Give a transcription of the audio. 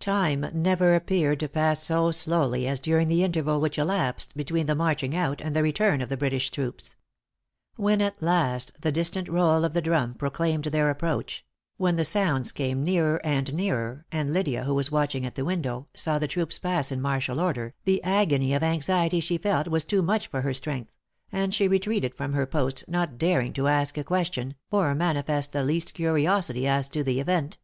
Time never appeared to pass so slowly as during the interval which elapsed between the marching out and the return of the British troops. When at last the distant roll of the drum proclaimed their approach; when the sounds came nearer and nearer, and Lydia, who was watching at the window, saw the troops pass in martial order, the agony of anxiety she felt was too much for her strength, and she retreated from her post, not daring to ask a question, or manifest the least curiosity as to the event.